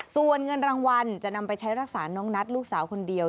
ส่วนเงินรางวัลจะนำไปใช้รักษาน้องนัทลูกสาวคนเดียว